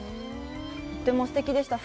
とてもすてきでした。